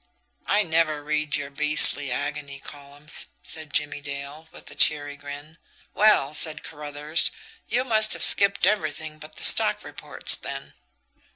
"I never read your beastly agony columns," said Jimmie Dale, with a cheery grin. "Well," said Carruthers, "you must have skipped everything but the stock reports then."